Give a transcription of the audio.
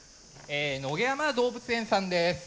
野毛山動物園さんです。